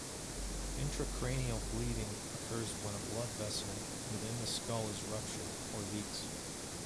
Intracranial bleeding occurs when a blood vessel within the skull is ruptured or leaks.